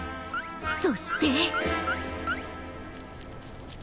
そして。